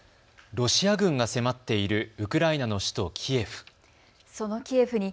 ロシア軍が迫っているウクライナの首都キエフ。